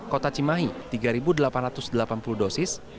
kota cimahi tiga delapan ratus delapan puluh dosis